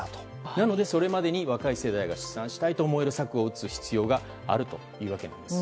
なので、それまでに若い世代が出産したいと思える策を打つ必要があるということです。